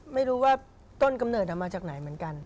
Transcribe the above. ไม่รู้ว่าต้นกำเนิดมาจากไหนเหมือนกัน